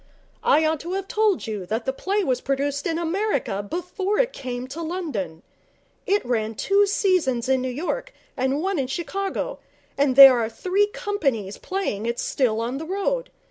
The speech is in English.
'I ought to have told you that the play was produced in America before it came to London. It ran two seasons in New York and one in Chicago, and there are three companies playing it still on the road.